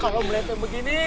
kalau melihatnya begini